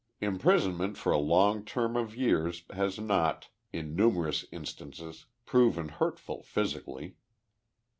Imprison ment for a long term of years has not, in numerous instances, proven hurtful physically.